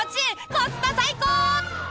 コスパ最高！